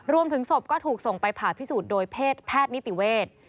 รวมถึงศพก็ถูกส่งไปผ่าพิสูจน์โดยเพศแพทย์นิติเวทย์